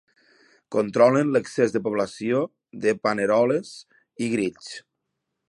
Controlen l'excés de població de paneroles i grills.